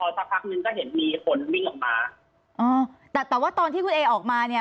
สักพักนึงก็เห็นมีคนวิ่งออกมาอ๋อแต่แต่ว่าตอนที่คุณเอออกมาเนี่ย